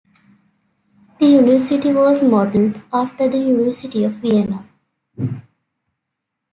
The university was modeled after the University of Vienna.